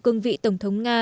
cương vị tổng thống nga